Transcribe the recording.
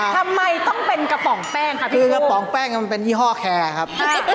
ทำไมต้องเป็นกระป๋องแป้งครับพี่คือกระป๋องแป้งมันเป็นยี่ห้อแคร์ครับ